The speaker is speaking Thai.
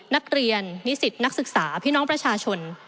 นักเรียนนิสิทธิ์นักศึกษาพี่น้องประชาชน